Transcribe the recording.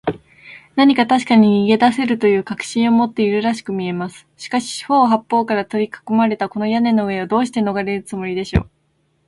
何かたしかに逃げだせるという確信を持っているらしくみえます。しかし、四ほう八ぽうからとりかこまれた、この屋根の上を、どうしてのがれるつもりでしょう。